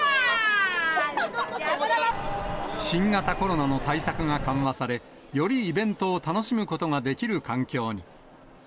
新型コロナの対策が緩和され、よりイベントを楽しむことができる環境に。